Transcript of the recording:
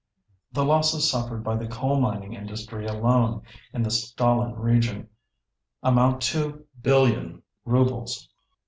The losses suffered by the coal mining industry alone in the Stalin region amount to 2,000,000,000 rubles.